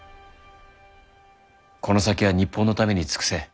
この先は日本のために尽くせ。